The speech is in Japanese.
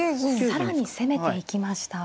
更に攻めていきました。